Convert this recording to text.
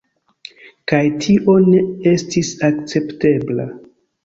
Kaj tio ne estis akceptebla.